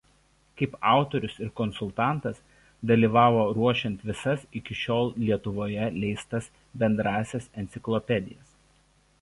Kaip autorius ir konsultantas dalyvavo ruošiant visas iki šiol Lietuvoje leistas bendrąsias enciklopedijas.